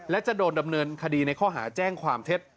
และจะโดนดำเนินคดีในข้อหาแจ้งความเท็จ